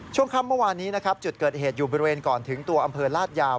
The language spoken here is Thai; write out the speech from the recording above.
ช่วงค่ำเมื่อวานนี้นะครับจุดเกิดเหตุอยู่บริเวณก่อนถึงตัวอำเภอลาดยาว